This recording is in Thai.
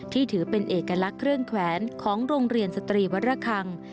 ถือเป็นเอกลักษณ์เครื่องแขวนของโรงเรียนสตรีวัตรคัง